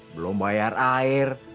belum bayar air